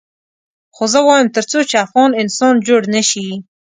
خو زه وایم تر څو چې افغان انسان جوړ نه شي.